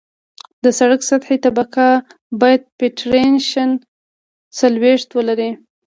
د سرک سطحي طبقه باید پینټریشن څلوېښت ولري